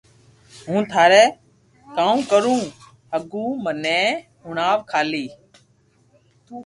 ھون ٿاري ڪاو ڪري ھگو مني ھڻاو کالي